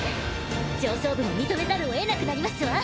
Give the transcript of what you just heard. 上層部も認めざるをえなくなりますわ。